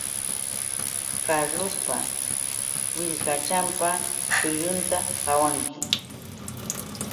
Carlospa willkachanpa chullunta qawanki